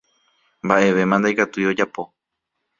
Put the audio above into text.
mba'evéma ndaikatúi ojapo